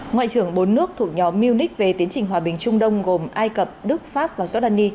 ngoại trưởng bốn nước thuộc nhóm munich về tiến trình hòa bình trung đông gồm ai cập đức pháp và giordani